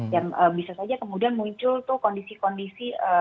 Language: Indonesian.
yang bisa saja kemudian muncul tuh kondisi kondisi